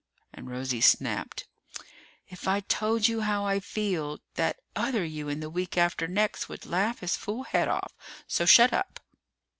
And Rosie snapped, "If I told you how I feel, that other you in the week after next would laugh his fool head off. So shut up!"